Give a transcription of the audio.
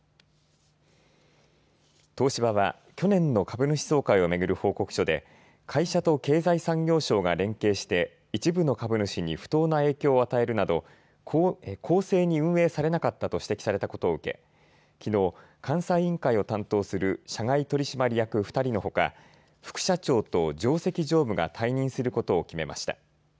東芝は去年の株主総会を巡る報告書で会社と経済産業省が連携して一部の株主に不当な影響を与えるなど公正に運営されなかったと指摘されたことを受け、きのう監査委員会を担当する社外取締役２人のほか副社長と上席常務が退任することを決めました。